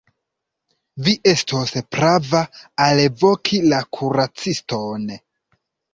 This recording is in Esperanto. Vi estos prava alvoki la kuraciston.